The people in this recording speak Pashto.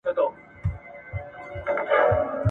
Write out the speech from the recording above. وايی چي نه کار په هغه څه کار ..